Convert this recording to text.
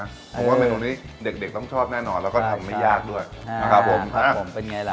เพราะว่าเมนูนี้เด็กต้องชอบแน่นอนแล้วก็ทำไม่ยากด้วยนะครับผมครับผมเป็นไงล่ะ